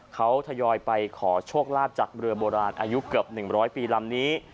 เขาทยอยไปขอโชคลาภจากเรือโบราณอายุเกือบ๑๐๐ปีลำนี้